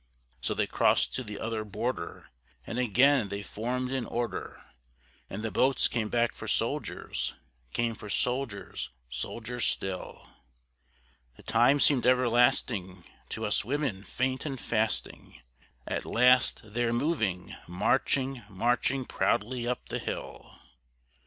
So they crossed to the other border, and again they formed in order; And the boats came back for soldiers, came for soldiers, soldiers still: The time seemed everlasting to us women faint and fasting, At last they're moving, marching, marching proudly up the hill.